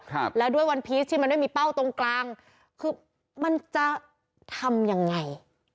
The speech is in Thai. ครับแล้วด้วยวันพีชที่มันไม่มีเป้าตรงกลางคือมันจะทำยังไง